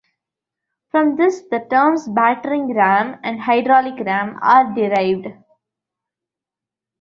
From this the terms battering ram and hydraulic ram are derived.